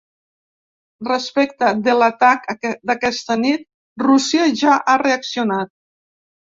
Respecte de l’atac d’aquesta nit, Rússia ja ha reaccionat.